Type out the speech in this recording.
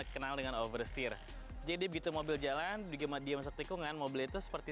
kenal dengan oversteer jadi begitu mobil jalan bagaimana dia masuk tikungan mobil itu seperti